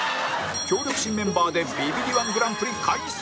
強力新メンバーでビビリ −１ グランプリ開催